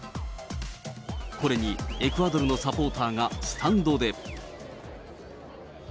これにエクアドルのサポーターがスタンドで。